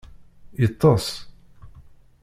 Yeṭṭeṣ.